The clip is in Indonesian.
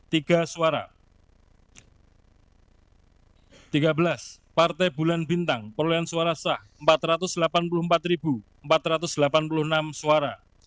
tiga suara tiga belas partai bulan bintang perolehan suara sah empat ratus delapan puluh empat empat ratus delapan puluh enam suara